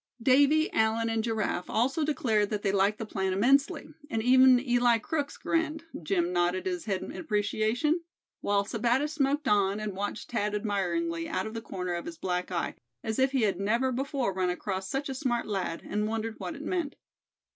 Davy, Allan and Giraffe also declared that they liked the plan immensely; and even Eli Crookes grinned, Jim nodded his head in appreciation; while Sebattis smoked on, and watched Thad admiringly out of the corner of his black eye, as if he had never before run across such a smart lad, and wondered what it meant.